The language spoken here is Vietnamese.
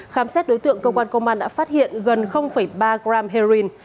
khám xét đối tượng cơ quan công an đã phát hiện gần ba gram heroin